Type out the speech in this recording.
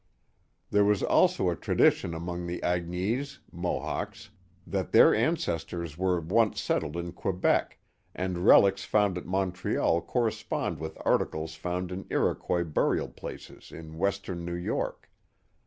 There was also a tradition among the Agnies (Mohawks) that their ancestors were once settled in Quebec, and relics found at Montreal correspond with articles found in Iroquois burial places in western New York.